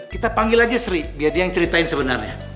kita panggil aja sri biar dia yang ceritain sebenarnya